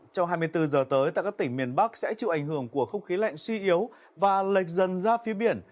trong hai mươi bốn giờ tới tại các tỉnh miền bắc sẽ chịu ảnh hưởng của không khí lạnh suy yếu và lệch dần ra phía biển